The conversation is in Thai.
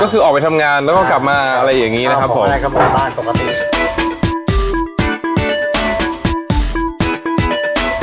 ก็คือออกไปทำงานแล้วก็กลับมาอะไรอย่างนี้นะครับผมใช่ครับกลับบ้านปกติ